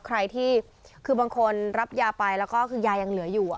ใครที่คือบางคนรับยาไปแล้วก็คือยายังเหลืออยู่